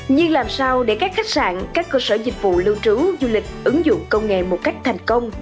nhưng làm sao để các khách sạn các cơ sở dịch vụ lưu trú du lịch ứng dụng công nghệ một cách thành công